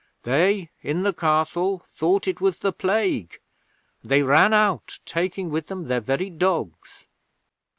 They in the Castle thought it was the Plague, and they ran out, taking with them their very dogs.